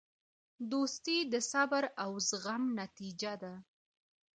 دوستي د صبر او زغم نتیجه ده.